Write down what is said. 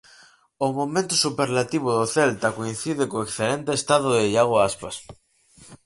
O momento superlativo do Celta coincide co excelente estado de Iago Aspas.